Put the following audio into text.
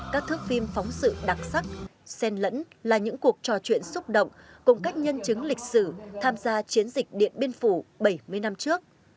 các thước phim phóng sự đặc sắc sen lẫn là những cuộc trò chuyện xúc động cùng các nhân chứng lịch sử tham gia chiến dịch điện biên phủ bảy mươi năm trước